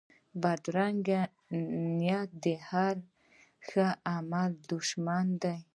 بدرنګه نیت د هر ښه عمل دشمن دی